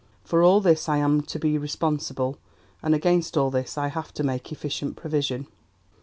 For all this I am to be responsible, and against all this I have to make efficient provision."